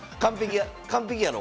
完璧やろ？